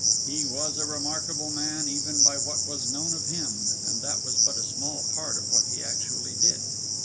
He was a remarkable man even by what was known of him; and that was but a small part of what he actually did.